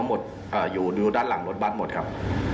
อันนี้ผมไม่ทราบครับ